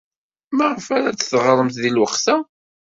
Maɣef ara d-teɣremt deg lweqt-a?